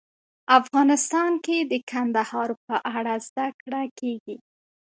افغانستان کې د کندهار په اړه زده کړه کېږي.